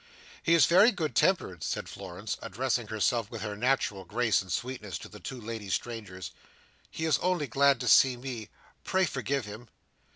"He is very good tempered," said Florence, addressing herself with her natural grace and sweetness to the two lady strangers. "He is only glad to see me. Pray forgive him."